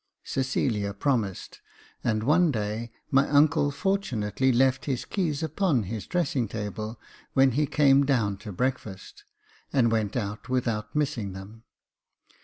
Cecilia promised, and one day my uncle fortunately left his keys upon his dressing table when he came down to breakfast, and went out without missing them.